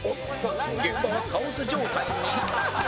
現場はカオス状態に